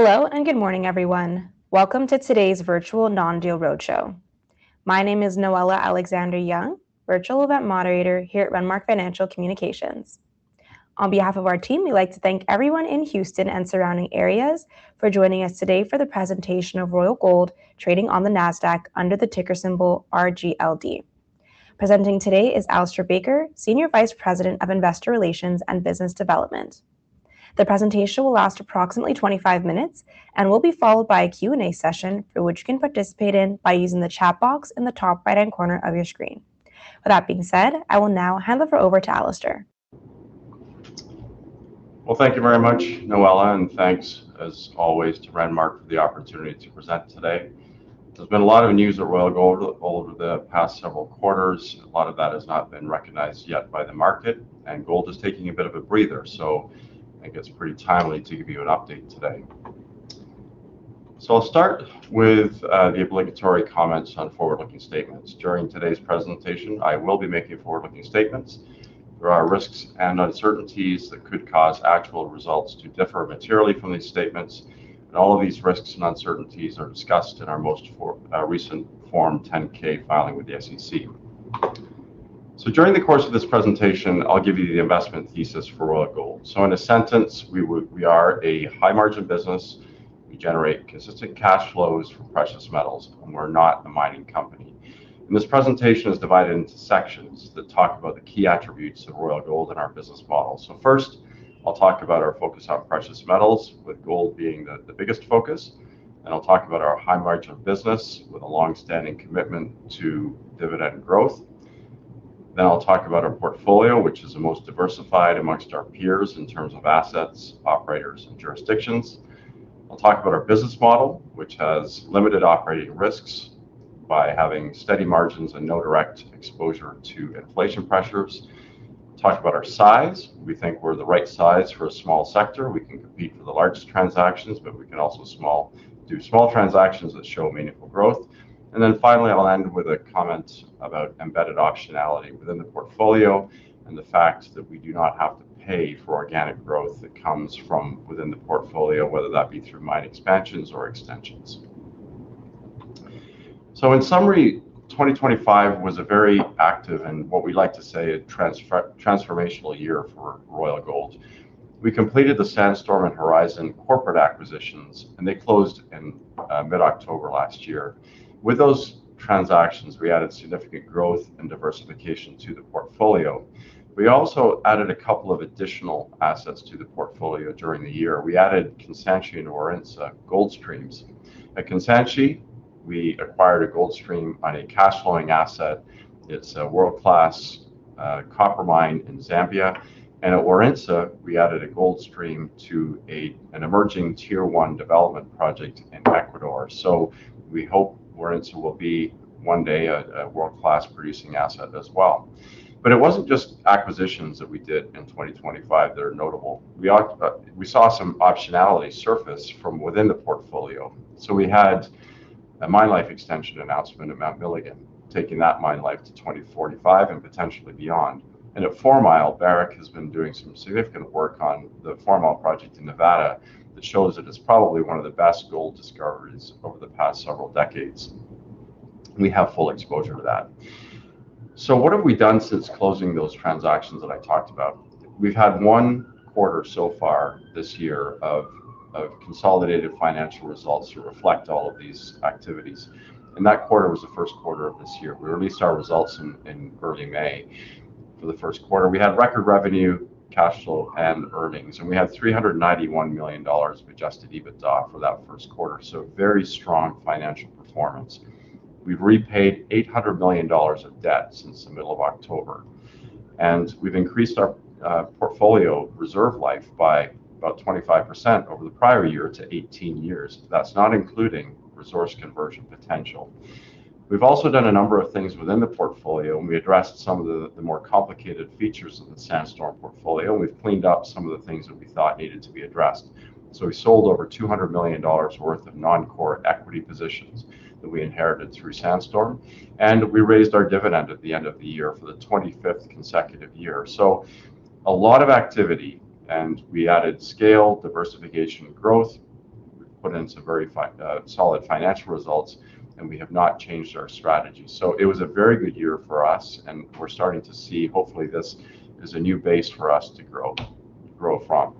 Hello and good morning, everyone. Welcome to today's virtual non-deal roadshow. My name is Noella Alexander-Young, virtual event moderator here at Renmark Financial Communications. On behalf of our team, we would like to thank everyone in Houston and surrounding areas for joining us today for the presentation of Royal Gold trading on the Nasdaq under the ticker symbol RGLD. Presenting today is Alistair Baker, Senior Vice President of Investor Relations and Business Development. The presentation will last approximately 25 minutes and will be followed by a Q&A session for which you can participate in by using the chat box in the top right-hand corner of your screen. With that being said, I will now hand it over to Alistair. Well, thank you very much, Noella, and thanks as always to Renmark for the opportunity to present today. There has been a lot of news at Royal Gold over the past several quarters. A lot of that has not been recognized yet by the market, and gold is taking a bit of a breather, so I think it is pretty timely to give you an update today. So I will start with the obligatory comments on forward-looking statements. During today's presentation, I will be making forward-looking statements. There are risks and uncertainties that could cause actual results to differ materially from these statements, and all of these risks and uncertainties are discussed in our most recent Form 10-K filing with the SEC. So during the course of this presentation, I will give you the investment thesis for Royal Gold. In a sentence, we are a high-margin business. We generate consistent cash flows from precious metals, and we are not a mining company. This presentation is divided into sections that talk about the key attributes of Royal Gold and our business model. First, I will talk about our focus on precious metals, with gold being the biggest focus, and I will talk about our high-margin business with a longstanding commitment to dividend growth. Then I will talk about our portfolio, which is the most diversified amongst our peers in terms of assets, operators, and jurisdictions. I will talk about our business model, which has limited operating risks by having steady margins and no direct exposure to inflation pressures. Talk about our size. We think we are the right size for a small sector. We can compete for the largest transactions, but we can also do small transactions that show meaningful growth. Finally, I will end with a comment about embedded optionality within the portfolio and the fact that we do not have to pay for organic growth that comes from within the portfolio, whether that be through mine expansions or extensions. In summary, 2025 was a very active, and what we like to say, a transformational year for Royal Gold. We completed the Sandstorm and Horizon corporate acquisitions, and they closed in mid-October last year. With those transactions, we added significant growth and diversification to the portfolio. We also added a couple of additional assets to the portfolio during the year. We added Kansanshi and Warintza gold streams. At Kansanshi, we acquired a gold stream on a cash flowing asset. It is a world-class copper mine in Zambia. And at Warintza, we added a gold stream to an emerging tier 1 development project in Ecuador. We hope Warintza will be one day a world-class producing asset as well. It wasn't just acquisitions that we did in 2025 that are notable. We saw some optionality surface from within the portfolio. We had a mine life extension announcement at Mount Milligan, taking that mine life to 2045 and potentially beyond. At Four Mile, Barrick has been doing some significant work on the Four Mile project in Nevada that shows it is probably one of the best gold discoveries over the past several decades. We have full exposure to that. What have we done since closing those transactions that I talked about? We've had one quarter so far this year of consolidated financial results to reflect all of these activities, and that quarter was the first quarter of this year. We released our results in early May for the first quarter. We had record revenue, cash flow, and earnings. We had $391 million of adjusted EBITDA for that first quarter. Very strong financial performance. We've repaid $800 million of debt since the middle of October. We've increased our portfolio reserve life by about 25% over the prior year to 18 years. That's not including resource conversion potential. We've also done a number of things within the portfolio. We addressed some of the more complicated features in the Sandstorm portfolio. We've cleaned up some of the things that we thought needed to be addressed. We sold over $200 million worth of non-core equity positions that we inherited through Sandstorm. We raised our dividend at the end of the year for the 25th consecutive year. A lot of activity, and we added scale, diversification, and growth. We put in some very solid financial results. We have not changed our strategy. It was a very good year for us, and we're starting to see hopefully this is a new base for us to grow from.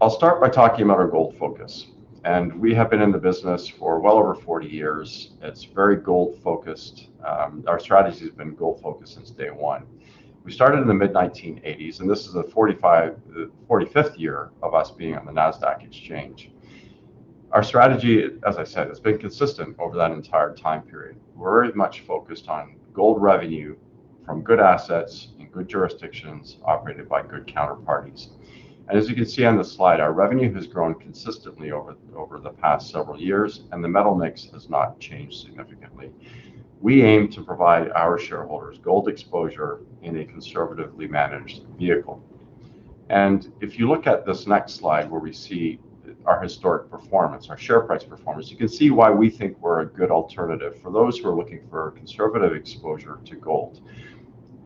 I'll start by talking about our gold focus. We have been in the business for well over 40 years. It's very gold focused. Our strategy has been gold focused since day one. We started in the mid-1980s. This is the 45th year of us being on the Nasdaq Exchange. Our strategy, as I said, has been consistent over that entire time period. We're very much focused on gold revenue from good assets in good jurisdictions, operated by good counterparties. As you can see on the slide, our revenue has grown consistently over the past several years, and the metal mix has not changed significantly. We aim to provide our shareholders gold exposure in a conservatively managed vehicle. If you look at this next slide where we see our historic performance, our share price performance, you can see why we think we're a good alternative for those who are looking for conservative exposure to gold.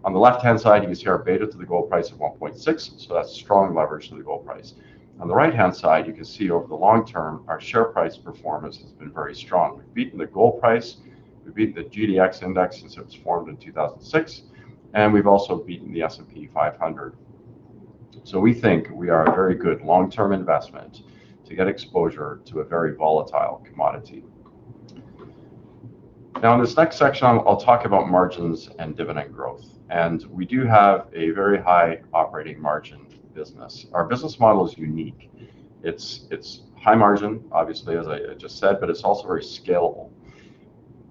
On the left-hand side, you can see our beta to the gold price of 1.6, so that's strong leverage to the gold price. On the right-hand side, you can see over the long term, our share price performance has been very strong. We've beaten the gold price, we've beaten the GDX index since it was formed in 2006. We've also beaten the S&P 500. We think we are a very good long-term investment to get exposure to a very volatile commodity. In this next section, I'll talk about margins and dividend growth. We do have a very high operating margin business. Our business model is unique. It's high margin, obviously, as I just said, but it's also very scalable.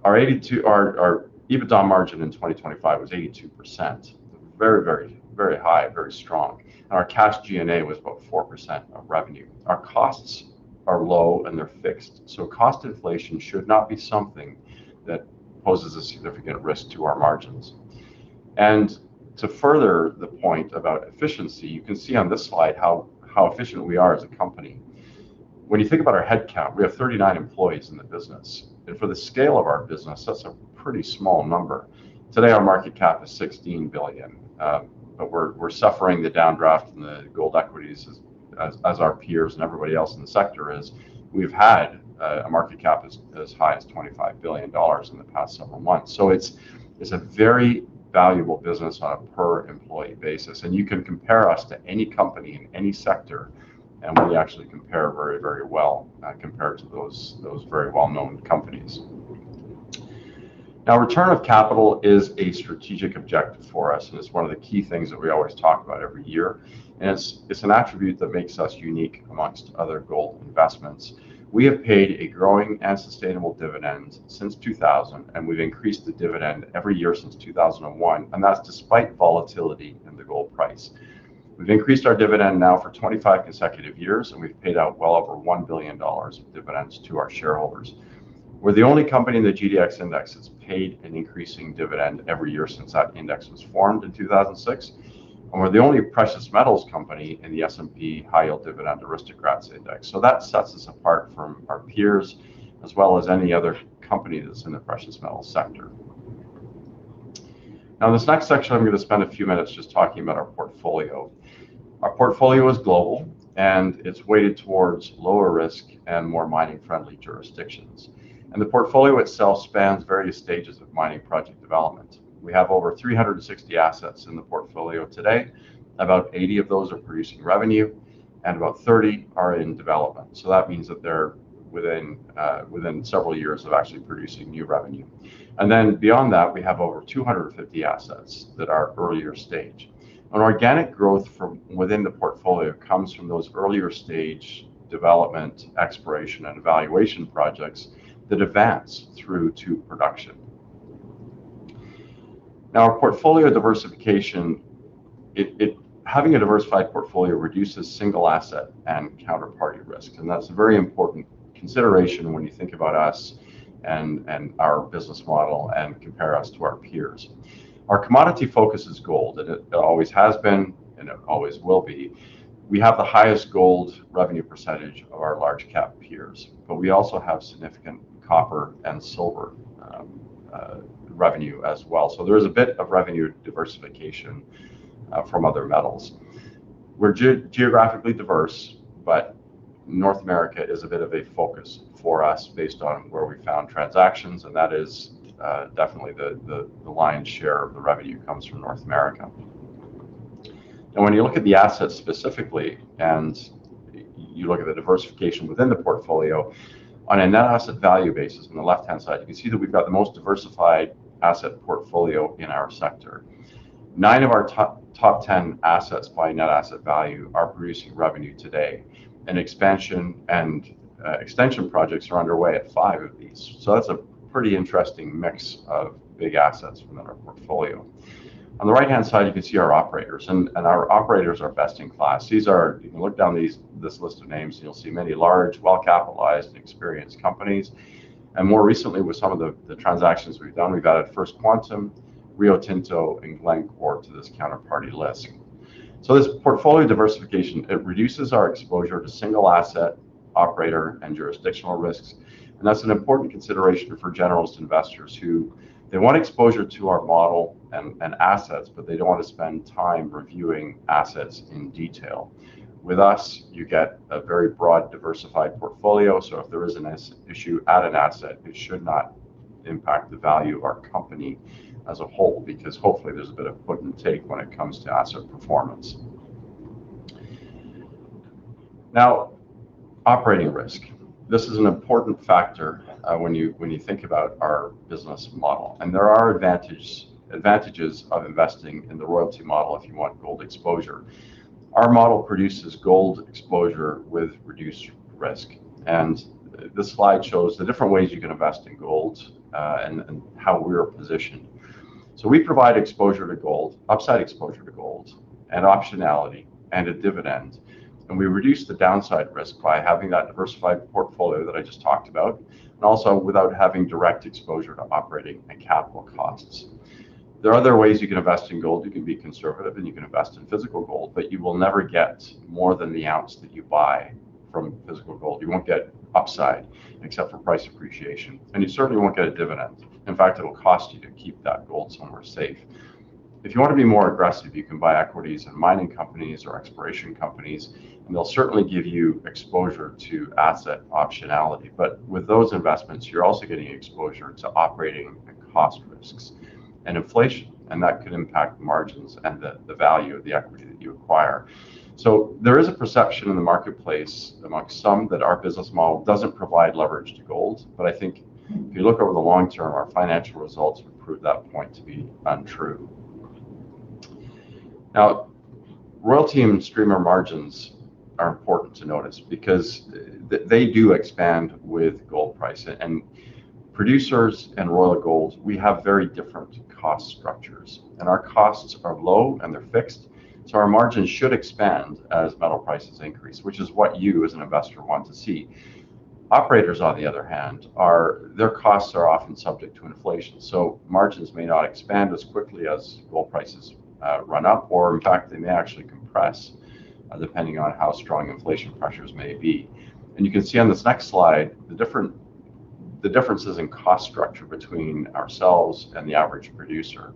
Our EBITDA margin in 2025 was 82%. Very high, very strong. Our cash G&A was about 4% of revenue. Our costs are low and they're fixed, so cost inflation should not be something that poses a significant risk to our margins. To further the point about efficiency, you can see on this slide how efficient we are as a company. When you think about our headcount, we have 39 employees in the business, and for the scale of our business, that's a pretty small number. Today, our market cap is $16 billion. We're suffering the downdraft in the gold equities as our peers and everybody else in the sector is. We've had a market cap as high as $25 billion in the past several months. It's a very valuable business on a per employee basis, you can compare us to any company in any sector, we actually compare very well compared to those very well-known companies. Now, return of capital is a strategic objective for us, it's one of the key things that we always talk about every year, it's an attribute that makes us unique amongst other gold investments. We have paid a growing and sustainable dividend since 2000, we've increased the dividend every year since 2001, that's despite volatility in the gold price. We've increased our dividend now for 25 consecutive years, we've paid out well over $1 billion of dividends to our shareholders. We're the only company in the GDX index that's paid an increasing dividend every year since that index was formed in 2006, we're the only precious metals company in the S&P High Yield Dividend Aristocrats Index. That sets us apart from our peers as well as any other company that's in the precious metals sector. Now, in this next section, I'm going to spend a few minutes just talking about our portfolio. Our portfolio is global, it's weighted towards lower risk and more mining-friendly jurisdictions. The portfolio itself spans various stages of mining project development. We have over 360 assets in the portfolio today. About 80 of those are producing revenue and about 30 are in development. That means that they're within several years of actually producing new revenue. Beyond that, we have over 250 assets that are earlier stage. Organic growth from within the portfolio comes from those earlier stage development, exploration, and evaluation projects that advance through to production. Now, our portfolio diversification. Having a diversified portfolio reduces single asset and counterparty risk, that's a very important consideration when you think about us and our business model, compare us to our peers. Our commodity focus is gold, it always has been, it always will be. We have the highest gold revenue percentage of our large cap peers, we also have significant copper and silver revenue as well. There is a bit of revenue diversification from other metals. We're geographically diverse, North America is a bit of a focus for us based on where we found transactions, that is definitely the lion's share of the revenue comes from North America. When you look at the assets specifically, and you look at the diversification within the portfolio, on a net asset value basis on the left-hand side, you can see that we've got the most diversified asset portfolio in our sector. Nine of our top 10 assets by net asset value are producing revenue today, and expansion and extension projects are underway at five of these. That's a pretty interesting mix of big assets within our portfolio. On the right-hand side, you can see our operators, and our operators are best in class. You can look down this list of names, and you'll see many large, well-capitalized, and experienced companies. More recently, with some of the transactions we've done, we've added First Quantum, Rio Tinto, and Glencore to this counterparty list. This portfolio diversification, it reduces our exposure to single asset operator and jurisdictional risks, and that's an important consideration for generalist investors who they want exposure to our model and assets, but they don't want to spend time reviewing assets in detail. With us, you get a very broad, diversified portfolio. If there is an issue at an asset, it should not impact the value of our company as a whole, because hopefully there's a bit of give and take when it comes to asset performance. Operating risk. This is an important factor when you think about our business model, and there are advantages of investing in the royalty model if you want gold exposure. Our model produces gold exposure with reduced risk, and this slide shows the different ways you can invest in gold, and how we're positioned. We provide exposure to gold, upside exposure to gold, and optionality, and a dividend, and we reduce the downside risk by having that diversified portfolio that I just talked about, and also without having direct exposure to operating and capital costs. There are other ways you can invest in gold. You can be conservative and you can invest in physical gold, but you will never get more than the ounce that you buy From physical gold. You won't get upside except for price appreciation, and you certainly won't get a dividend. In fact, it'll cost you to keep that gold somewhere safe. If you want to be more aggressive, you can buy equities in mining companies or exploration companies, and they'll certainly give you exposure to asset optionality. With those investments, you're also getting exposure to operating and cost risks and inflation, and that could impact margins and the value of the equity that you acquire. There is a perception in the marketplace amongst some that our business model doesn't provide leverage to gold. I think if you look over the long term, our financial results would prove that point to be untrue. Royalty and streamer margins are important to notice because they do expand with gold price. Producers and Royal Gold, we have very different cost structures, and our costs are low and they're fixed, so our margins should expand as metal prices increase, which is what you as an investor want to see. Operators, on the other hand, their costs are often subject to inflation, so margins may not expand as quickly as gold prices run up or in fact, they may actually compress depending on how strong inflation pressures may be. You can see on this next slide the differences in cost structure between ourselves and the average producer.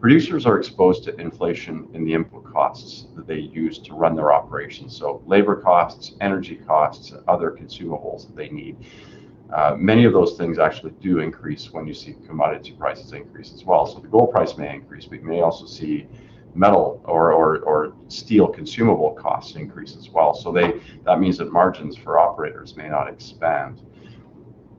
Producers are exposed to inflation in the input costs that they use to run their operations, so labor costs, energy costs, other consumables that they need. Many of those things actually do increase when you see commodity prices increase as well. The gold price may increase, but you may also see metal or steel consumable costs increase as well. That means that margins for operators may not expand.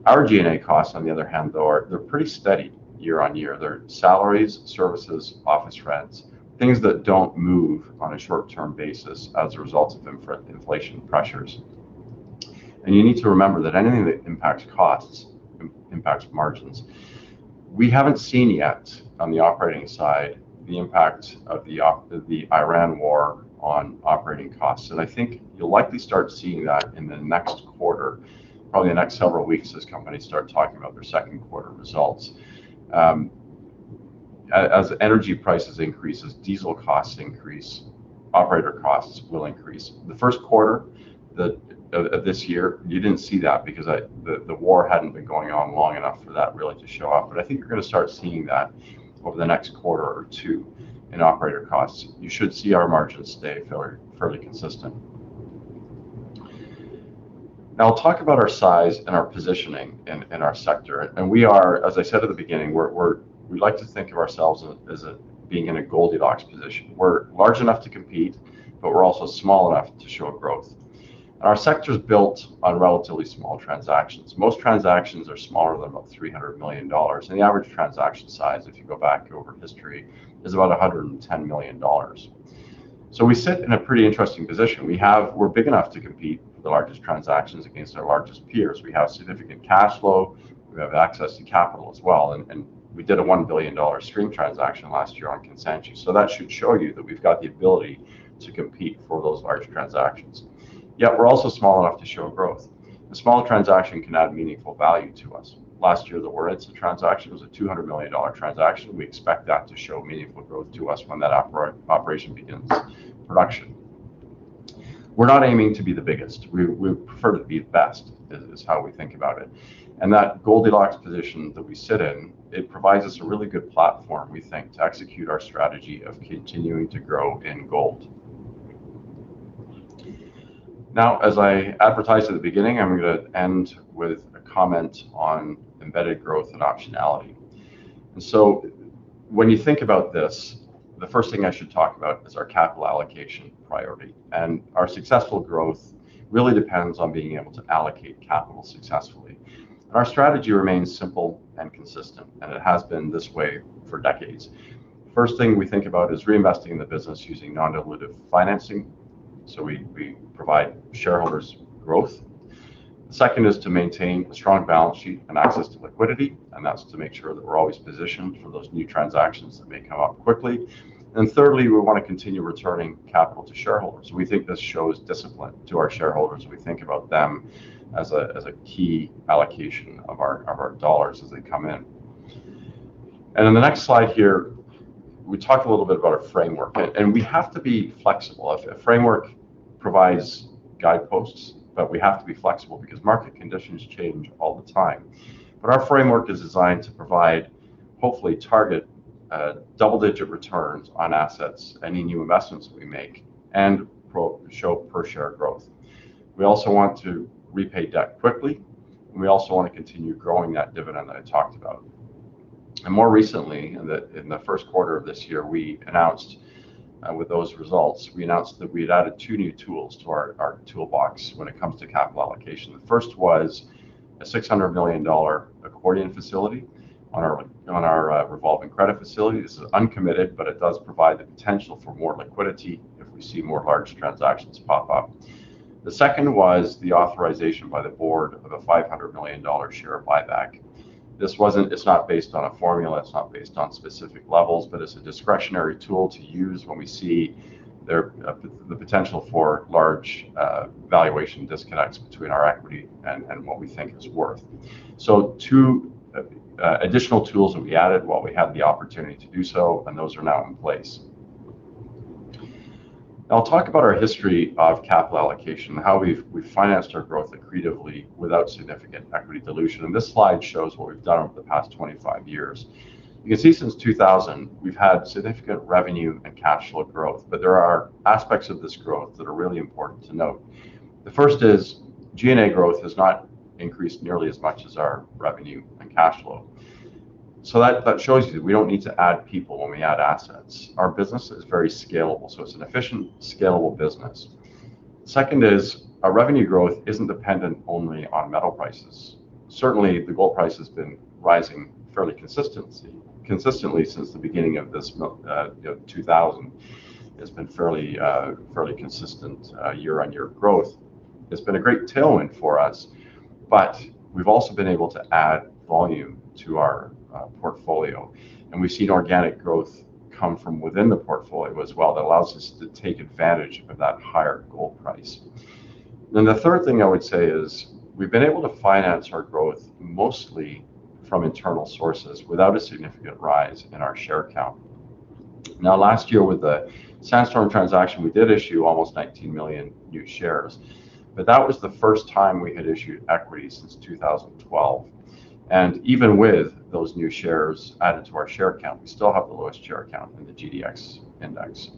Our G&A costs, on the other hand, though, they're pretty steady year-on-year. They're salaries, services, office rents, things that don't move on a short-term basis as a result of inflation pressures. You need to remember that anything that impacts costs impacts margins. We haven't seen yet on the operating side the impact of the Iran war on operating costs. I think you'll likely start seeing that in the next quarter, probably the next several weeks as companies start talking about their second quarter results. As energy prices increases, diesel costs increase, operator costs will increase. The first quarter of this year, you didn't see that because the war hadn't been going on long enough for that really to show up. I think you're going to start seeing that over the next quarter or two in operator costs. You should see our margins stay fairly consistent. Now I'll talk about our size and our positioning in our sector. We are, as I said at the beginning, we like to think of ourselves as being in a Goldilocks position. We're large enough to compete, but we're also small enough to show growth. Our sector is built on relatively small transactions. Most transactions are smaller than about $300 million. The average transaction size, if you go back over history, is about $110 million. We sit in a pretty interesting position. We're big enough to compete with the largest transactions against our largest peers. We have significant cash flow. We have access to capital as well, and we did a $1 billion stream transaction last year on Kansanshi, so that should show you that we've got the ability to compete for those large transactions. Yet we're also small enough to show growth. A small transaction can add meaningful value to us. Last year, the Warintza transaction was a $200 million transaction. We expect that to show meaningful growth to us when that operation begins production. We're not aiming to be the biggest. We prefer to be the best, is how we think about it. That Goldilocks position that we sit in, it provides us a really good platform, we think, to execute our strategy of continuing to grow in gold. Now, as I advertised at the beginning, I'm going to end with a comment on embedded growth and optionality. When you think about this, the first thing I should talk about is our capital allocation priority. Our successful growth really depends on being able to allocate capital successfully. Our strategy remains simple and consistent, and it has been this way for decades. First thing we think about is reinvesting in the business using non-dilutive financing, we provide shareholders growth. The second is to maintain a strong balance sheet and access to liquidity, that's to make sure that we're always positioned for those new transactions that may come up quickly. Thirdly, we want to continue returning capital to shareholders. We think this shows discipline to our shareholders. We think about them as a key allocation of our dollars as they come in. In the next slide here, we talk a little bit about our framework, we have to be flexible. A framework provides guideposts, but we have to be flexible because market conditions change all the time. Our framework is designed to provide, hopefully target double-digit returns on assets, any new investments that we make, and show per share growth. We also want to repay debt quickly, we also want to continue growing that dividend that I talked about. More recently, in the first quarter of this year, with those results, we announced that we had added two new tools to our toolbox when it comes to capital allocation. The first was a $600 million accordion facility on our revolving credit facility. This is uncommitted, but it does provide the potential for more liquidity if we see more large transactions pop up. The second was the authorization by the board of a $500 million share buyback. It's not based on a formula, it's not based on specific levels, but it's a discretionary tool to use when we see the potential for large valuation disconnects between our equity and what we think it's worth. Two additional tools that we added while we had the opportunity to do so, and those are now in place. I'll talk about our history of capital allocation, how we've financed our growth accretively without significant equity dilution. This slide shows what we've done over the past 25 years. You can see since 2000, we've had significant revenue and cash flow growth, but there are aspects of this growth that are really important to note. The first is G&A growth has not increased nearly as much as our revenue and cash flow. That shows you that we don't need to add people when we add assets. Our business is very scalable, it's an efficient, scalable business. Second is our revenue growth isn't dependent only on metal prices. Certainly, the gold price has been rising fairly consistently since the beginning of 2000. It's been fairly consistent year-on-year growth. It's been a great tailwind for us, but we've also been able to add volume to our portfolio, and we've seen organic growth come from within the portfolio as well that allows us to take advantage of that higher gold price. The third thing I would say is we've been able to finance our growth mostly from internal sources without a significant rise in our share count. Now, last year with the Sandstorm transaction, we did issue almost 19 million new shares, but that was the first time we had issued equity since 2012. Even with those new shares added to our share count, we still have the lowest share count in the GDX index.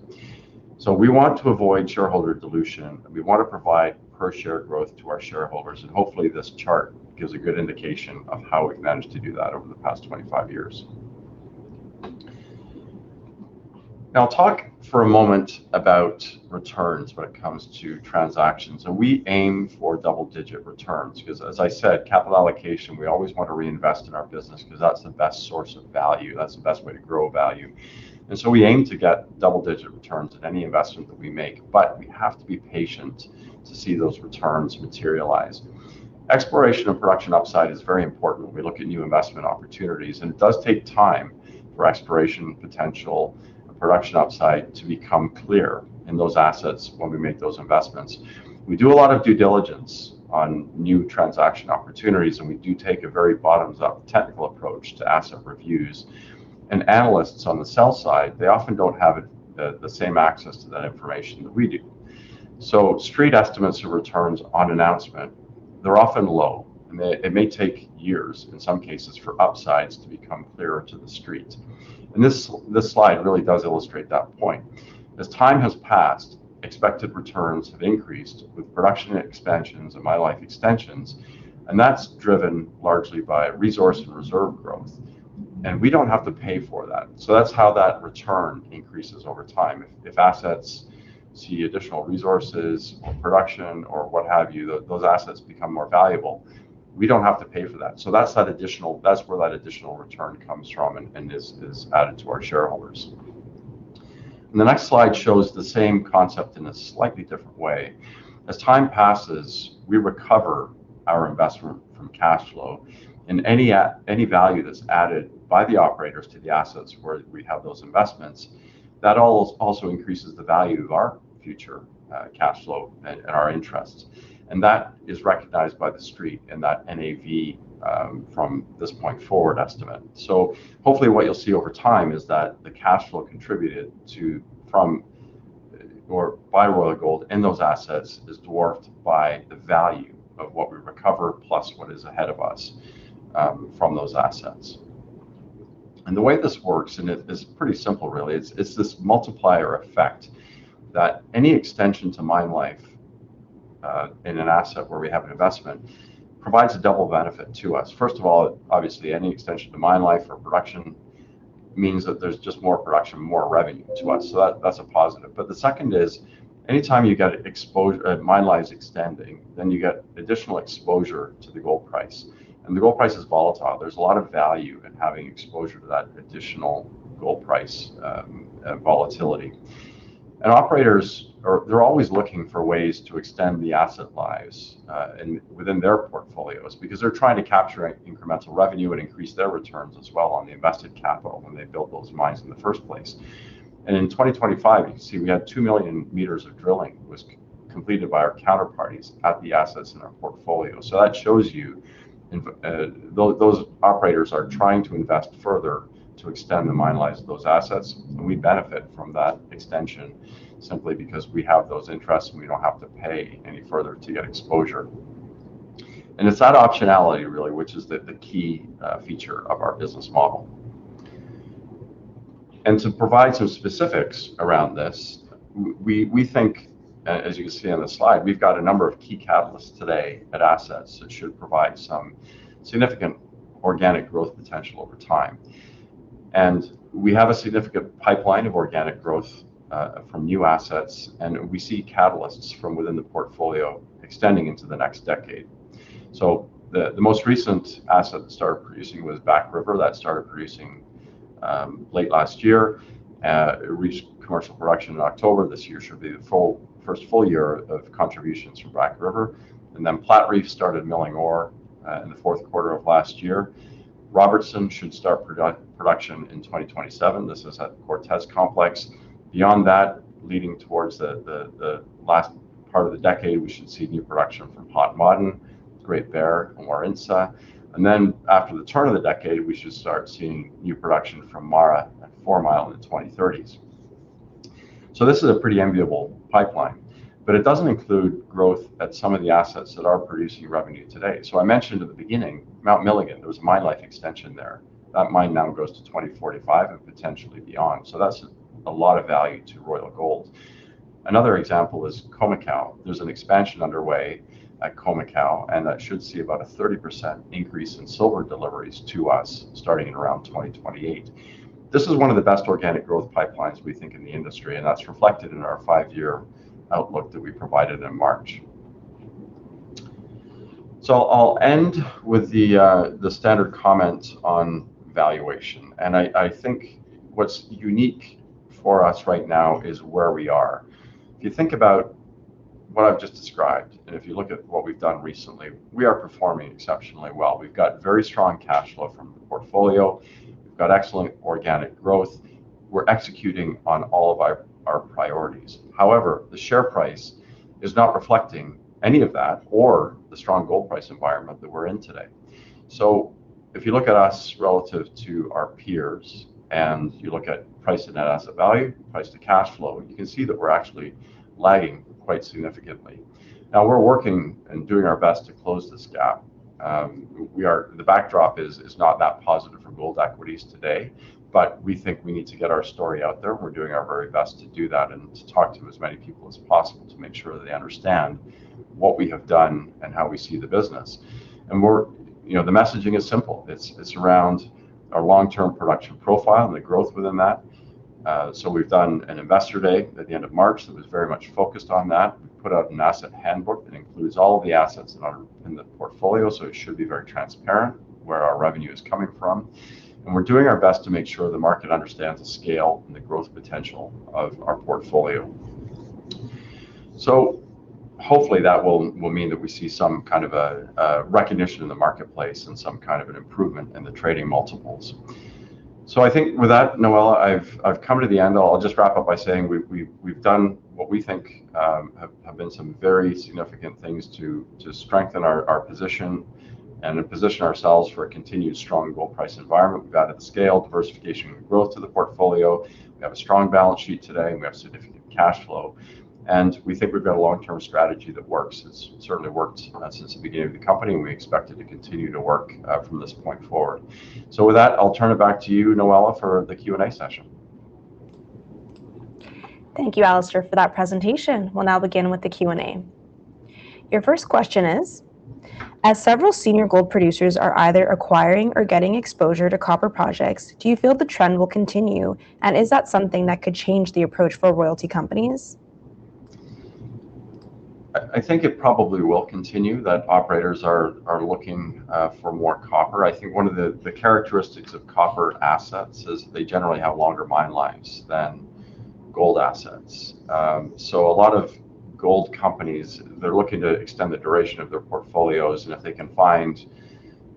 We want to avoid shareholder dilution, and we want to provide per-share growth to our shareholders, and hopefully this chart gives a good indication of how we've managed to do that over the past 25 years. Now I'll talk for a moment about returns when it comes to transactions, and we aim for double-digit returns because, as I said, capital allocation, we always want to reinvest in our business because that's the best source of value. That's the best way to grow value. We aim to get double-digit returns in any investment that we make, but we have to be patient to see those returns materialize. Exploration and production upside is very important when we look at new investment opportunities, and it does take time for exploration potential and production upside to become clear in those assets when we make those investments. We do a lot of due diligence on new transaction opportunities, and we do take a very bottoms-up technical approach to asset reviews. Analysts on the sell side, they often don't have the same access to that information that we do. Street estimates of returns on announcement, they're often low, and it may take years in some cases for upsides to become clearer to The Street. This slide really does illustrate that point. As time has passed, expected returns have increased with production expansions and mine life extensions, and that's driven largely by resource and reserve growth. We don't have to pay for that. That's how that return increases over time. If assets see additional resources or production or what have you, those assets become more valuable. We don't have to pay for that. That's where that additional return comes from and is added to our shareholders. The next slide shows the same concept in a slightly different way. As time passes, we recover our investment from cash flow. Any value that's added by the operators to the assets where we have those investments, that also increases the value of our future cash flow and our interests. That is recognized by The Street in that NAV from this point forward estimate. Hopefully, what you'll see over time is that the cash flow contributed by Royal Gold in those assets is dwarfed by the value of what we recover, plus what is ahead of us from those assets. The way this works, and it is pretty simple really, it's this multiplier effect that any extension to mine life in an asset where we have an investment provides a double benefit to us. First of all, obviously, any extension to mine life or production means that there's just more production, more revenue to us. That's a positive. The second is anytime you got mine life is extending, then you get additional exposure to the gold price, and the gold price is volatile. There's a lot of value in having exposure to that additional gold price volatility. Operators, they're always looking for ways to extend the asset lives within their portfolios because they're trying to capture incremental revenue and increase their returns as well on the invested capital when they built those mines in the first place. In 2025, you can see we had 2 million meters of drilling was completed by our counterparties at the assets in our portfolio. That shows you those operators are trying to invest further to extend the mine lives of those assets, and we benefit from that extension simply because we have those interests, and we don't have to pay any further to get exposure. It's that optionality, really, which is the key feature of our business model. To provide some specifics around this, we think, as you can see on this slide, we've got a number of key catalysts today at assets that should provide some significant organic growth potential over time. We have a significant pipeline of organic growth from new assets, and we see catalysts from within the portfolio extending into the next decade. The most recent asset to start producing was Back River. That started producing late last year. It reached commercial production in October. This year should be the first full year of contributions from Back River. Then Platreef started milling ore in the fourth quarter of last year. Robertson should start production in 2027. This is at Cortez Complex. Beyond that, leading towards the last part of the decade, we should see new production from Palomarin, Great Bear, and Marimaca. After the turn of the decade, we should start seeing new production from MARA and Four Mile in the 2030s. This is a pretty enviable pipeline, but it doesn't include growth at some of the assets that are producing revenue today. I mentioned at the beginning, Mount Milligan, there was mine life extension there. That mine now goes to 2045 and potentially beyond. That's a lot of value to Royal Gold. Another example is Khoemacau. There's an expansion underway at Khoemacau, and that should see about a 30% increase in silver deliveries to us starting in around 2028. This is one of the best organic growth pipelines, we think, in the industry, and that's reflected in our five-year outlook that we provided in March. I'll end with the standard comment on valuation. I think what's unique for us right now is where we are. If you think about what I've just described, and if you look at what we've done recently, we are performing exceptionally well. We've got very strong cash flow from the portfolio. We've got excellent organic growth. We're executing on all of our priorities. However, the share price is not reflecting any of that or the strong gold price environment that we're in today. If you look at us relative to our peers, and you look at price and net asset value, price to cash flow, you can see that we're actually lagging quite significantly. Now we're working and doing our best to close this gap. The backdrop is not that positive for gold equities today, but we think we need to get our story out there, and we're doing our very best to do that and to talk to as many people as possible to make sure they understand what we have done and how we see the business. The messaging is simple. It's around our long-term production profile and the growth within that. We've done an investor day at the end of March that was very much focused on that. We put out an asset handbook that includes all the assets that are in the portfolio. It should be very transparent where our revenue is coming from. We're doing our best to make sure the market understands the scale and the growth potential of our portfolio. Hopefully that will mean that we see some kind of a recognition in the marketplace and some kind of an improvement in the trading multiples. I think with that, Noella, I've come to the end. I'll just wrap up by saying we've done what we think have been some very significant things to strengthen our position and to position ourselves for a continued strong gold price environment. We've added the scale, diversification, and growth to the portfolio. We have a strong balance sheet today, and we have significant cash flow. We think we've got a long-term strategy that works. It's certainly worked since the beginning of the company. We expect it to continue to work from this point forward. With that, I'll turn it back to you, Noella, for the Q&A session. Thank you, Alistair, for that presentation. We'll now begin with the Q&A. Your first question is, as several senior gold producers are either acquiring or getting exposure to copper projects, do you feel the trend will continue, and is that something that could change the approach for royalty companies? I think it probably will continue that operators are looking for more copper. I think one of the characteristics of copper assets is they generally have longer mine lives than gold assets. A lot of gold companies, they're looking to extend the duration of their portfolios, and if they can find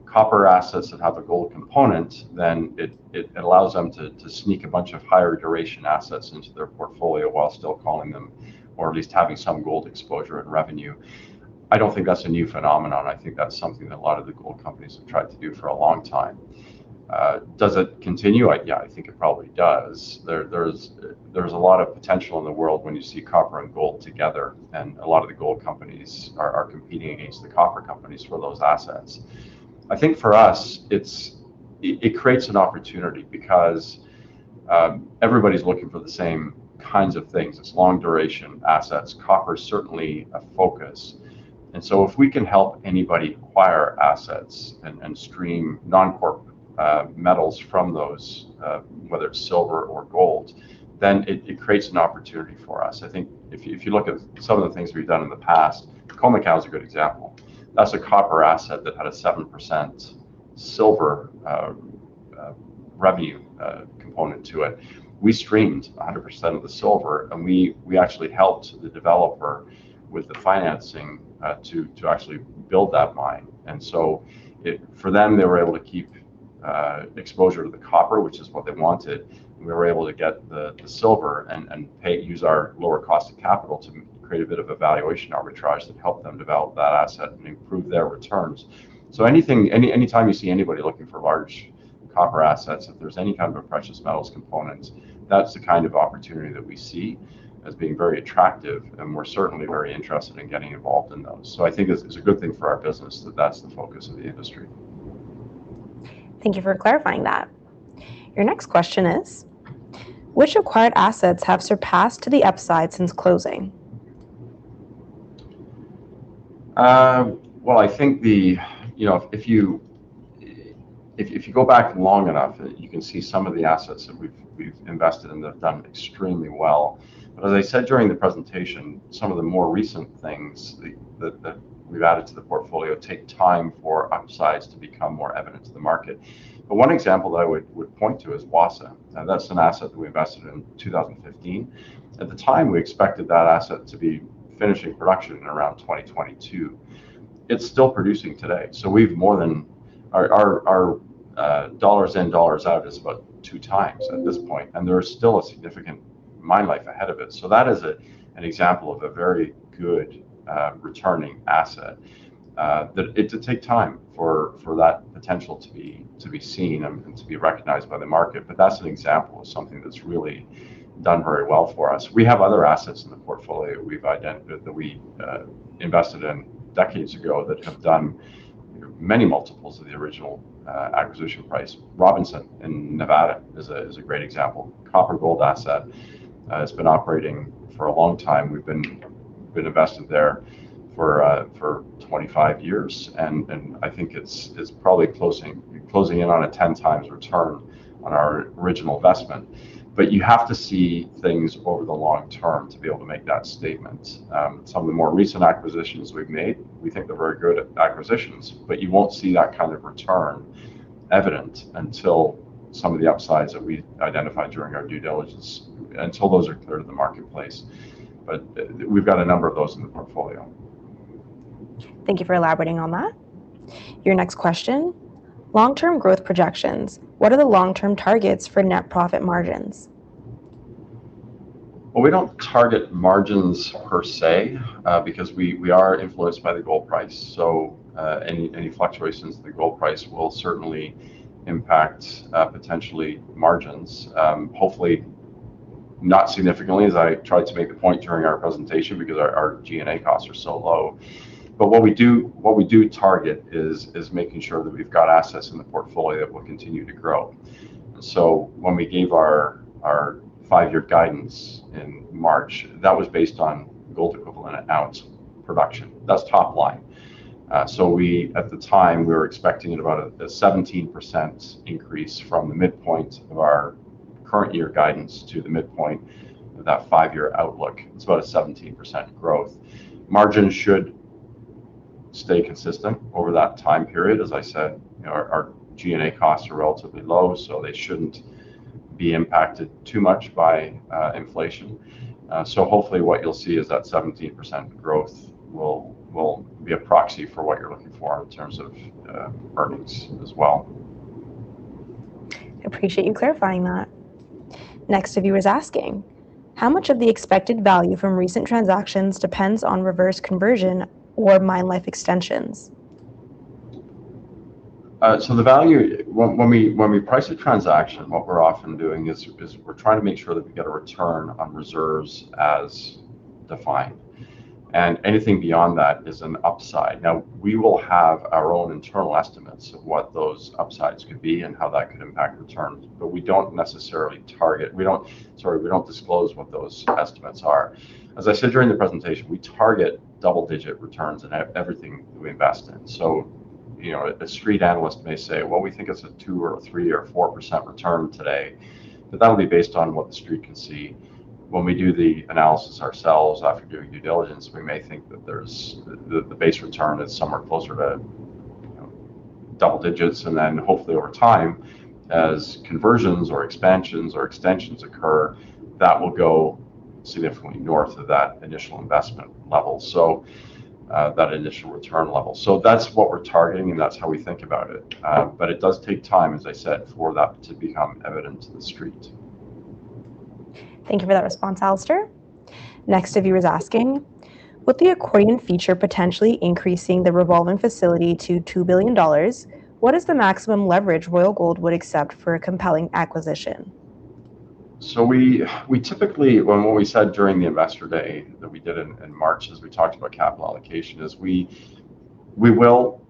copper assets that have a gold component, then it allows them to sneak a bunch of higher duration assets into their portfolio while still calling them, or at least having some gold exposure and revenue. I don't think that's a new phenomenon. I think that's something that a lot of the gold companies have tried to do for a long time. Does it continue? Yeah, I think it probably does. There's a lot of potential in the world when you see copper and gold together, and a lot of the gold companies are competing against the copper companies for those assets. I think for us, it creates an opportunity because everybody's looking for the same kinds of things. It's long duration assets. Copper's certainly a focus. If we can help anybody acquire assets and stream non-core metals from those, whether it's silver or gold, then it creates an opportunity for us. I think if you look at some of the things we've done in the past, Khoemacau is a good example. That's a copper asset that had a 7% silver revenue component to it. We streamed 100% of the silver, and we actually helped the developer with the financing to actually build that mine. For them, they were able to keep exposure to the copper, which is what they wanted, and we were able to get the silver and use our lower cost of capital to create a bit of a valuation arbitrage that helped them develop that asset and improve their returns. Anytime you see anybody looking for large copper assets, if there's any kind of a precious metals component, that's the kind of opportunity that we see as being very attractive, and we're certainly very interested in getting involved in those. I think it's a good thing for our business that that's the focus of the industry. Thank you for clarifying that. Your next question is, which acquired assets have surpassed to the upside since closing? Well, I think if you go back long enough, you can see some of the assets that we've invested in that have done extremely well. As I said during the presentation, some of the more recent things that we've added to the portfolio take time for upsides to become more evident to the market. One example that I would point to is Wassa, and that's an asset that we invested in 2015. At the time, we expected that asset to be finishing production in around 2022. It's still producing today. Our dollars in, dollars out is about two times at this point, and there is still a significant mine life ahead of it. That is an example of a very good returning asset. It did take time for that potential to be seen and to be recognized by the market. That is an example of something that is really done very well for us. We have other assets in the portfolio that we invested in decades ago that have done many multiples of the original acquisition price. Robinson in Nevada is a great example. It is a copper gold asset. It has been operating for a long time. We have been invested there for 25 years, and I think it is probably closing in on a 10 times return on our original investment. You have to see things over the long term to be able to make that statement. Some of the more recent acquisitions we have made, we think they are very good acquisitions, but you won't see that kind of return evident until some of the upsides that we identified during our due diligence, until those are clear to the marketplace. We have got a number of those in the portfolio. Thank you for elaborating on that. Your next question, "Long-term growth projections. What are the long-term targets for net profit margins? Well, we don't target margins per se, because we are influenced by the gold price. Any fluctuations in the gold price will certainly impact potentially margins. Hopefully not significantly, as I tried to make a point during our presentation because our G&A costs are so low. What we do target is making sure that we have got assets in the portfolio that will continue to grow. When we gave our five-year guidance in March, that was based on gold equivalent ounce production. That is top line. At the time, we were expecting at about a 17% increase from the midpoint of our current year guidance to the midpoint of that five-year outlook. It is about a 17% growth. Margins should stay consistent over that time period. As I said, our G&A costs are relatively low, so they shouldn't be impacted too much by inflation. Hopefully what you'll see is that 17% growth will be a proxy for what you're looking for in terms of earnings as well. I appreciate you clarifying that. Next viewer is asking, "How much of the expected value from recent transactions depends on reverse conversion or mine life extensions? The value, when we price a transaction, what we're often doing is we're trying to make sure that we get a return on reserves as defined, and anything beyond that is an upside. We will have our own internal estimates of what those upsides could be and how that could impact returns, but we don't disclose what those estimates are. As I said during the presentation, we target double-digit returns in everything we invest in. A street analyst may say, "Well, we think it's a 2% or a 3% or 4% return today," but that'll be based on what the street can see. When we do the analysis ourselves after doing due diligence, we may think that the base return is somewhere closer to double digits, and then hopefully over time, as conversions or expansions or extensions occur, that will go significantly north of that initial investment level, that initial return level. That's what we're targeting, and that's how we think about it. It does take time, as I said, for that to become evident to The Street. Thank you for that response, Alistair. Next viewer is asking, "With the accordion feature potentially increasing the revolving facility to $2 billion, what is the maximum leverage Royal Gold would accept for a compelling acquisition? What we said during the investor day that we did in March, as we talked about capital allocation, is we will,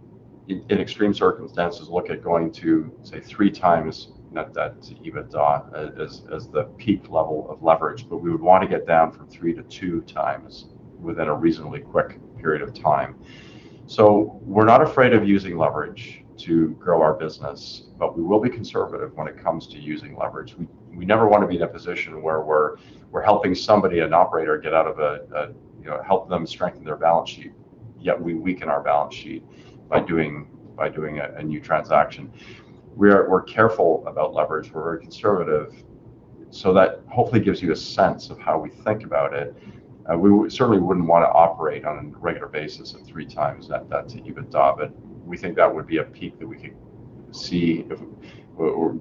in extreme circumstances, look at going to, say, three times net debt to EBITDA as the peak level of leverage. We would want to get down from three to two times within a reasonably quick period of time. We're not afraid of using leverage to grow our business, but we will be conservative when it comes to using leverage. We never want to be in a position where we're helping somebody, an operator, help them strengthen their balance sheet, yet we weaken our balance sheet by doing a new transaction. We're careful about leverage. We're very conservative. That hopefully gives you a sense of how we think about it. We certainly wouldn't want to operate on a regular basis of three times net debt to EBITDA, we think that would be a peak that we could see or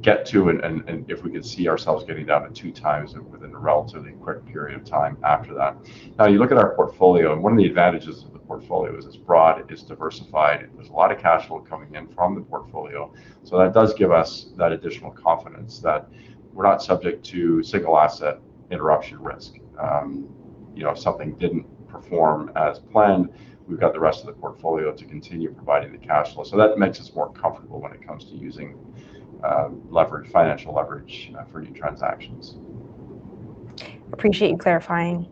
get to, and if we could see ourselves getting down to two times within a relatively quick period of time after that. Now, you look at our portfolio, and one of the advantages of the portfolio is it's broad, it is diversified, there's a lot of cash flow coming in from the portfolio. That does give us that additional confidence that we're not subject to single asset interruption risk. If something didn't perform as planned, we've got the rest of the portfolio to continue providing the cash flow. That makes us more comfortable when it comes to using financial leverage for new transactions. Appreciate you clarifying.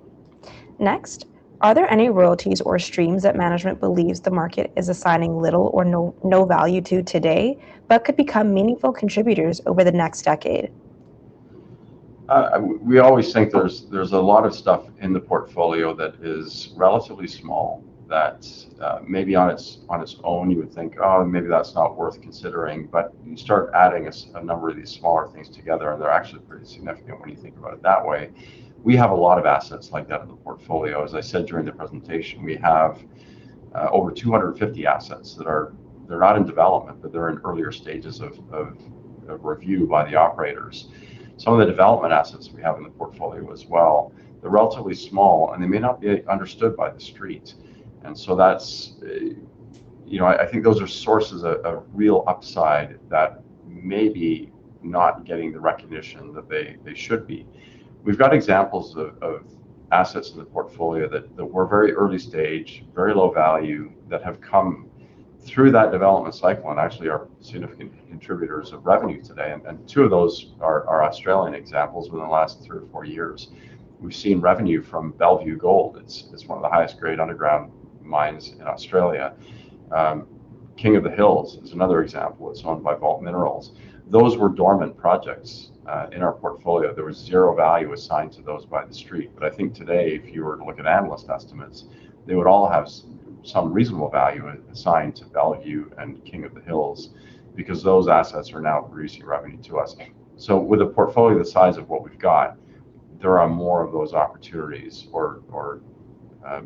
Next, "Are there any royalties or streams that management believes the market is assigning little or no value to today, but could become meaningful contributors over the next decade? We always think there's a lot of stuff in the portfolio that is relatively small that maybe on its own you would think, "Oh, maybe that's not worth considering." You start adding a number of these smaller things together, and they're actually pretty significant when you think about it that way. We have a lot of assets like that in the portfolio. As I said during the presentation, we have over 250 assets that are not in development, but they're in earlier stages of a review by the operators. Some of the development assets we have in the portfolio as well, they're relatively small, and they may not be understood by The Street. I think those are sources of real upside that may be not getting the recognition that they should be. We've got examples of assets in the portfolio that were very early stage, very low value, that have come through that development cycle and actually are significant contributors of revenue today. Two of those are Australian examples within the last three or four years. We've seen revenue from Bellevue Gold. It's one of the highest grade underground mines in Australia. King of the Hills is another example. It's owned by Vault Minerals. Those were dormant projects in our portfolio. There was zero value assigned to those by The Street. I think today, if you were to look at analyst estimates, they would all have some reasonable value assigned to Bellevue and King of the Hills, because those assets are now producing revenue to us. With a portfolio the size of what we've got, there are more of those opportunities or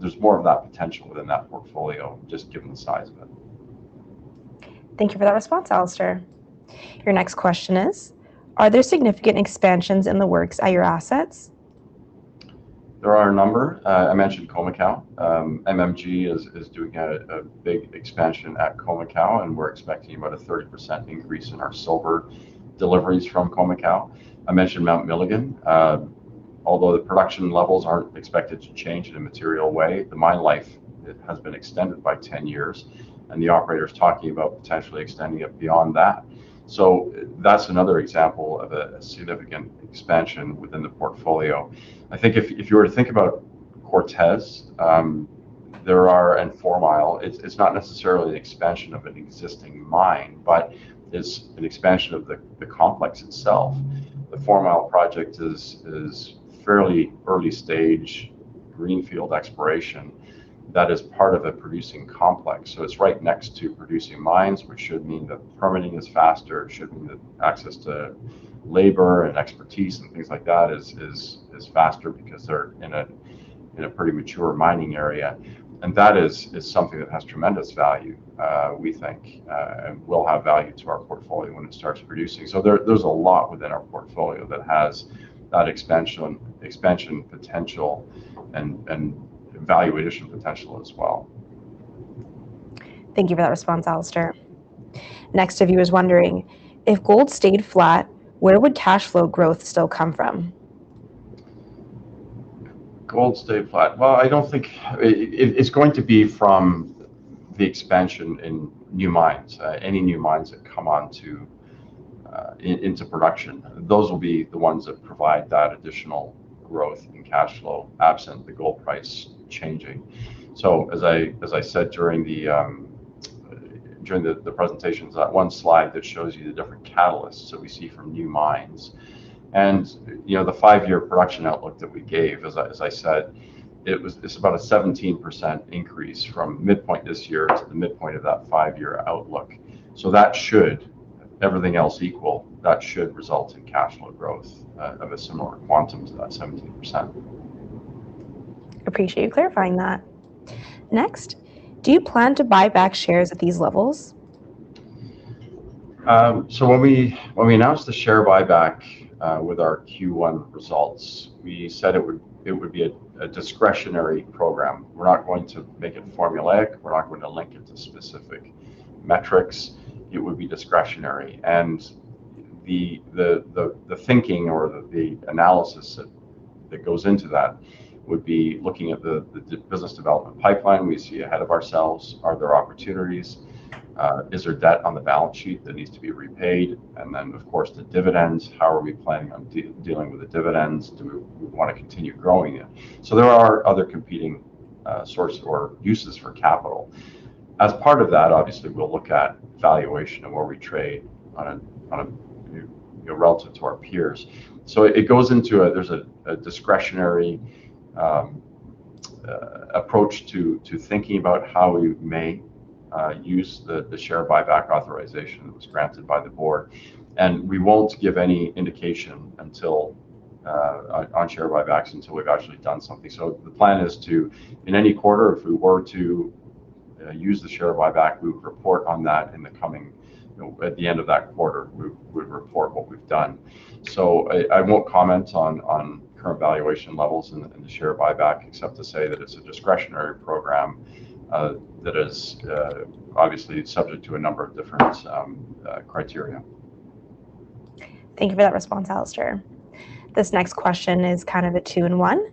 there's more of that potential within that portfolio, just given the size of it. Thank you for that response, Alistair. Your next question is, are there significant expansions in the works at your assets? There are a number. I mentioned Khoemacau. MMG is doing a big expansion at Khoemacau, and we're expecting about a 30% increase in our silver deliveries from Khoemacau. I mentioned Mount Milligan. Although the production levels aren't expected to change in a material way, the mine life has been extended by 10 years, and the operator's talking about potentially extending it beyond that. That's another example of a significant expansion within the portfolio. I think if you were to think about Cortez and Four Mile, it's not necessarily an expansion of an existing mine, but it's an expansion of the complex itself. The Four Mile project is fairly early stage, greenfield exploration that is part of a producing complex. It's right next to producing mines, which should mean that permitting is faster, it should mean that access to labor and expertise and things like that is faster because they're in a pretty mature mining area. That is something that has tremendous value, we think, and will have value to our portfolio when it starts producing. There's a lot within our portfolio that has that expansion potential and valuation potential as well. Thank you for that response, Alistair. Next viewer is wondering, if gold stayed flat, where would cash flow growth still come from? Gold stayed flat. Well, it's going to be from the expansion in new mines, any new mines that come into production. Those will be the ones that provide that additional growth in cash flow, absent the gold price changing. As I said during the presentations, that one slide that shows you the different catalysts that we see from new mines. The five-year production outlook that we gave, as I said, it's about a 17% increase from midpoint this year to the midpoint of that five-year outlook. That should, everything else equal, that should result in cash flow growth of a similar quantum to that 17%. Appreciate you clarifying that. Do you plan to buy back shares at these levels? When we announced the share buyback with our Q1 results, we said it would be a discretionary program. We're not going to make it formulaic. We're not going to link it to specific metrics. It would be discretionary. The thinking or the analysis that goes into that would be looking at the business development pipeline we see ahead of ourselves. Are there opportunities? Is there debt on the balance sheet that needs to be repaid? Then, of course, the dividends, how are we planning on dealing with the dividends? Do we want to continue growing it? There are other competing sources or uses for capital. As part of that, obviously, we'll look at valuation and where we trade relative to our peers. There's a discretionary approach to thinking about how we may use the share buyback authorization that was granted by the board, and we won't give any indication on share buybacks until we've actually done something. The plan is to, in any quarter, if we were to use the share buyback, we would report on that at the end of that quarter, we would report what we've done. I won't comment on current valuation levels and the share buyback, except to say that it's a discretionary program that is obviously subject to a number of different criteria. Thank you for that response, Alistair. This next question is kind of a two in one.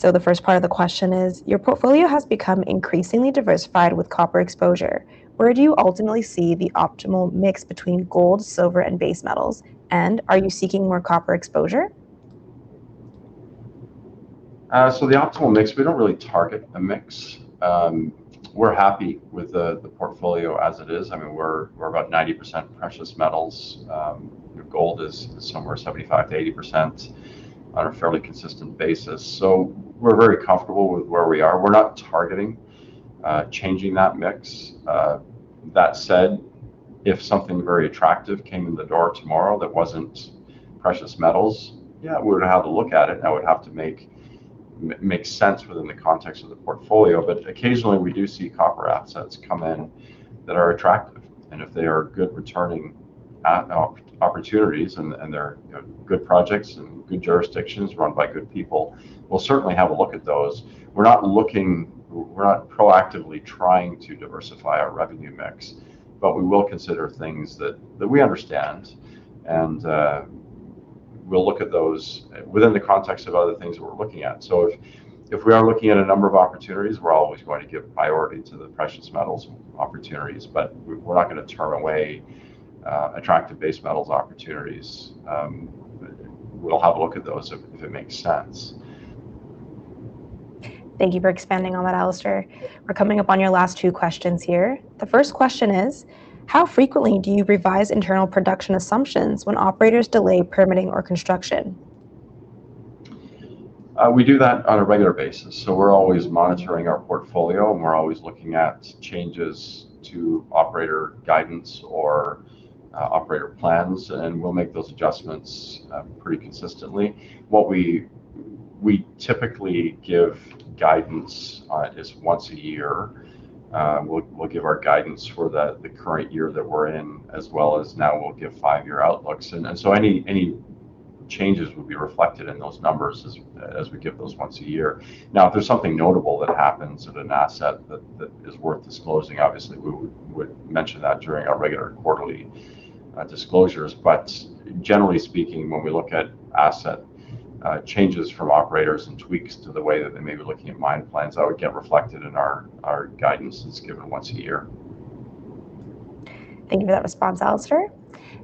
The first part of the question is, your portfolio has become increasingly diversified with copper exposure. Where do you ultimately see the optimal mix between gold, silver, and base metals? Are you seeking more copper exposure? The optimal mix, we don't really target a mix. We're happy with the portfolio as it is. I mean, we're about 90% precious metals. Gold is somewhere 75%-80% on a fairly consistent basis. We're very comfortable with where we are. We're not targeting changing that mix. That said, if something very attractive came in the door tomorrow that wasn't precious metals, yeah, we would have to look at it, and I would have to make sense within the context of the portfolio. Occasionally, we do see copper assets come in that are attractive, and if they are good returning opportunities, and they're good projects and good jurisdictions run by good people, we'll certainly have a look at those. We're not proactively trying to diversify our revenue mix, we will consider things that we understand, and we'll look at those within the context of other things that we're looking at. If we are looking at a number of opportunities, we're always going to give priority to the precious metals opportunities, we're not going to turn away attractive base metals opportunities. We'll have a look at those if it makes sense. Thank you for expanding on that, Alistair. We're coming up on your last two questions here. The first question is, how frequently do you revise internal production assumptions when operators delay permitting or construction? We do that on a regular basis. We're always monitoring our portfolio, and we're always looking at changes to operator guidance or operator plans, and we'll make those adjustments pretty consistently. What we typically give guidance on is once a year. We'll give our guidance for the current year that we're in, as well as now we'll give five-year outlooks. Any changes would be reflected in those numbers as we give those once a year. If there's something notable that happens at an asset that is worth disclosing, obviously we would mention that during our regular quarterly disclosures. Generally speaking, when we look at asset changes from operators and tweaks to the way that they may be looking at mine plans, that would get reflected in our guidance that's given once a year. Thank you for that response, Alistair.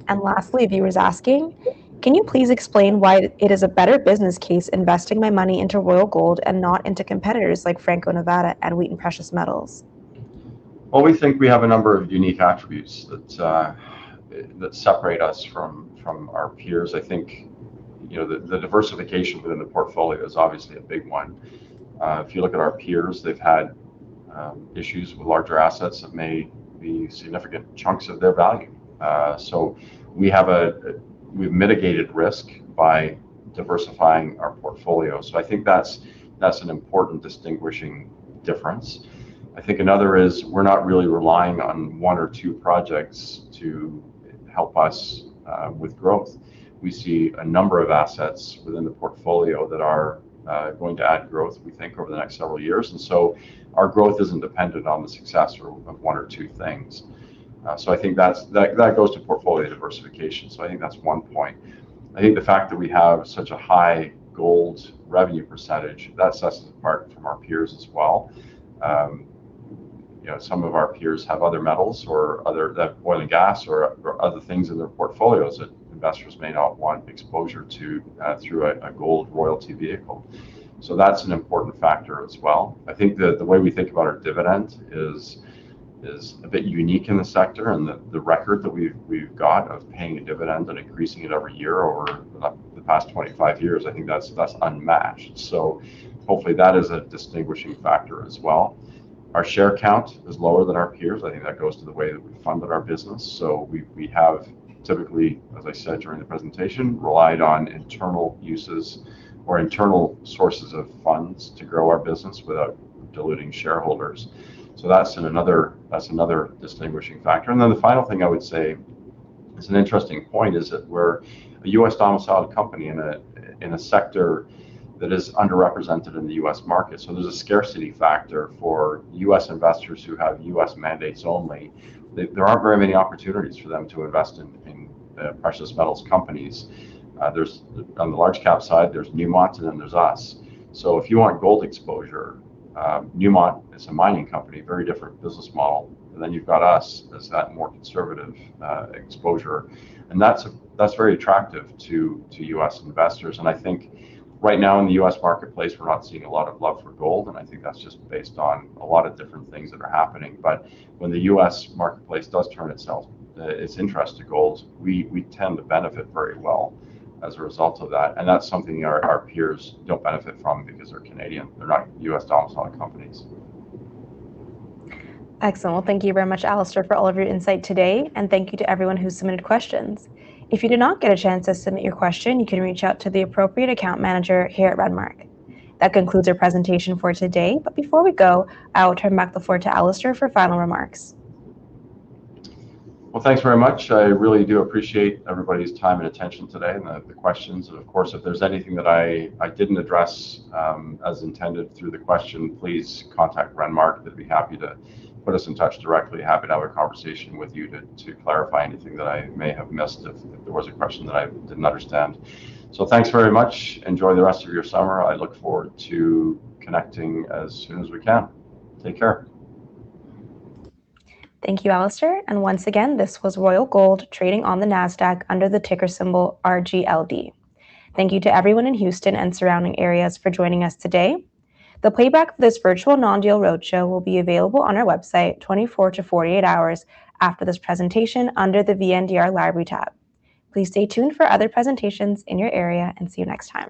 Lastly, a viewer's asking, can you please explain why it is a better business case investing my money into Royal Gold and not into competitors like Franco-Nevada and Wheaton Precious Metals? Well, we think we have a number of unique attributes that separate us from our peers. I think the diversification within the portfolio is obviously a big one. If you look at our peers, they've had issues with larger assets that may be significant chunks of their value. We've mitigated risk by diversifying our portfolio. I think that's an important distinguishing difference. I think another is we're not really relying on one or two projects to help us with growth. We see a number of assets within the portfolio that are going to add growth, we think, over the next several years, our growth isn't dependent on the success of one or two things. I think that goes to portfolio diversification. I think that's one point. I think the fact that we have such a high gold revenue percentage, that sets us apart from our peers as well. Some of our peers have other metals or oil and gas or other things in their portfolios that investors may not want exposure to through a gold royalty vehicle. That's an important factor as well. I think that the way we think about our dividend is a bit unique in the sector, the record that we've got of paying a dividend and increasing it every year over the past 25 years, I think that's unmatched. Hopefully that is a distinguishing factor as well. Our share count is lower than our peers. I think that goes to the way that we've funded our business. We have typically, as I said during the presentation, relied on internal uses or internal sources of funds to grow our business without diluting shareholders. That's another distinguishing factor. The final thing I would say is an interesting point, is that we're a U.S.-domiciled company in a sector that is underrepresented in the U.S. market. There's a scarcity factor for U.S. investors who have U.S. mandates only. There aren't very many opportunities for them to invest in precious metals companies. On the large cap side, there's Newmont, there's us. If you want gold exposure, Newmont is a mining company, very different business model. You've got us as that more conservative exposure. That's very attractive to U.S. investors. I think right now in the U.S. marketplace, we're not seeing a lot of love for gold. I think that's just based on a lot of different things that are happening. When the U.S. marketplace does turn its interest to gold, we tend to benefit very well as a result of that. That's something our peers don't benefit from because they're Canadian. They're not U.S.-domiciled companies. Excellent. Thank you very much, Alistair, for all of your insight today, and thank you to everyone who submitted questions. If you did not get a chance to submit your question, you can reach out to the appropriate account manager here at Renmark. That concludes our presentation for today. Before we go, I will turn back the floor to Alistair for final remarks. Thanks very much. I really do appreciate everybody's time and attention today and the questions. Of course, if there's anything that I didn't address as intended through the question, please contact Renmark. They'd be happy to put us in touch directly. Happy to have a conversation with you to clarify anything that I may have missed if there was a question that I didn't understand. Thanks very much. Enjoy the rest of your summer. I look forward to connecting as soon as we can. Take care. Thank you, Alistair. Once again, this was Royal Gold trading on the Nasdaq under the ticker symbol RGLD. Thank you to everyone in Houston and surrounding areas for joining us today. The playback for this Virtual Non-Deal Roadshow will be available on our website 24 to 48 hours after this presentation under the VNDR Library tab. Please stay tuned for other presentations in your area. See you next time.